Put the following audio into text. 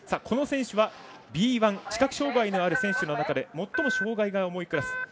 この選手はＢ１視覚障がいのある選手の中で最も障がいが重いクラス。